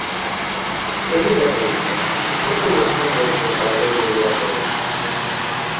Segunda pregunta, ¿que foi dos membros do faladoiro do Barlovento?